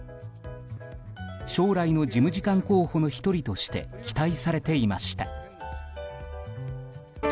将来の事務次官候補の１人として期待されていました。